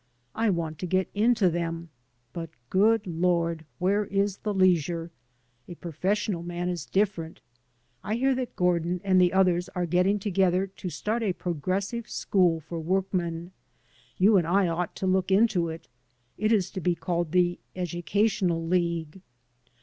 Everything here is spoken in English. I want to get into them, but, good Lord! where is the leisure? A professional man is different. I hear that Gordin and the others are getting together to start a progressive school for workmen. You and I ought to look into it. It is to be called the Educational League."